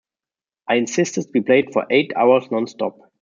I insisted we played for eight hours non-stop.